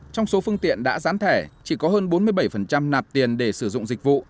trong số phương tiện đã gián thẻ chỉ có hơn bốn mươi bảy nạp tiền để sử dụng dịch vụ